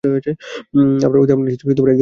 আপনার প্রতি আপনার স্ত্রীর একধরনের ক্ষোভ জন্মেছে।